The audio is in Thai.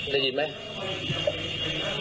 ได้ยินไหม